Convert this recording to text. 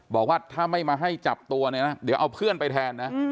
บอกว่าถ้าไม่มาให้จับตัวเนี่ยนะเดี๋ยวเอาเพื่อนไปแทนนะ